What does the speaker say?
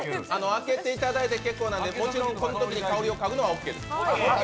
開けていただいて結構なんで、もちろんこのときに香りをかぐのはオッケーです。